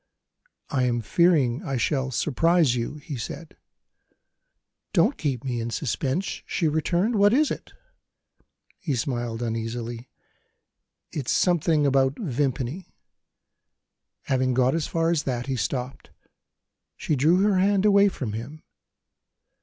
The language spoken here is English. "I am fearing I shall surprise you," he said. "Don't keep me in suspense!" she returned. "What is it?" He smiled uneasily: "It's something about Vimpany." Having got as far as that, he stopped. She drew her hand away from him.